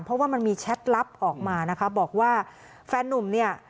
เพราะว่ามันมีแชทลับออกมานะคะบอกว่าแฟนนุ่มเนี่ย